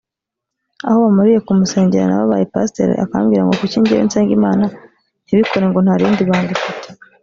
aho bamariye kumusengera nawe abaye pasiteri akambwira ngo kuki njyewe nsenga Imana ntibikore ngo nta rindi banga ufite